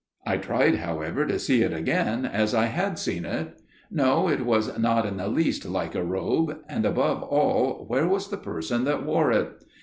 "I tried, however, to see it again as I had seen it. No, it was not in the least like a robe; and above all where was the Person that wore it?